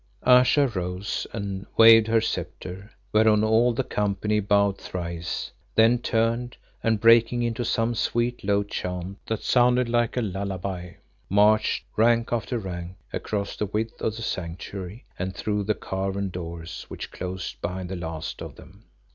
Ayesha rose and waved her sceptre, whereon all the company bowed thrice, then turned and breaking into some sweet, low chant that sounded like a lullaby, marched, rank after rank, across the width of the Sanctuary and through the carven doors which closed behind the last of them.